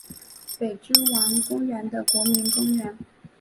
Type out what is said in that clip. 北之丸公园的国民公园。